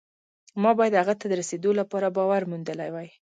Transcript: ما باید هغه ته د رسېدو لپاره باور موندلی وي